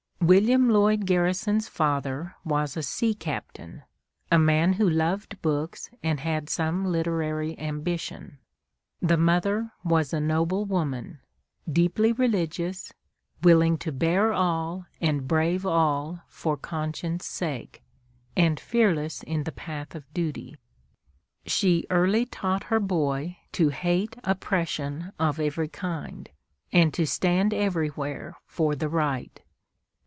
William Lloyd Garrison's father was a sea captain, a man who loved books and had some literary ambition; the mother was a noble woman, deeply religious, willing to bear all and brave all for conscience' sake, and fearless in the path of duty. She early taught her boy to hate oppression of every kind, and to stand everywhere for the right.